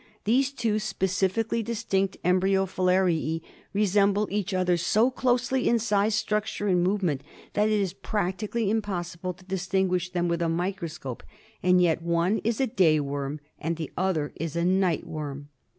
These two specifically distinct embryo filariae resemble each other so closely in size, structure, and movement, that it is practically impossible to distinguish them with a microscope, and yet one is a day worm and the other is a night worm.